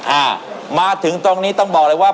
อ่ามาถึงตรงนี้ต้องบอกเลยว่า